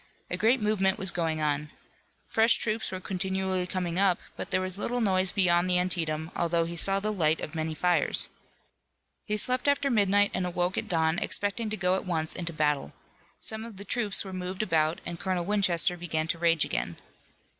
A great movement was going on. Fresh troops were continually coming up, but there was little noise beyond the Antietam, although he saw the light of many fires. He slept after midnight and awoke at dawn, expecting to go at once into battle. Some of the troops were moved about and Colonel Winchester began to rage again.